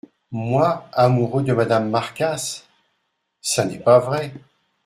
Moi ! amoureux de madame Marcasse ?… ça n’est pas vrai !…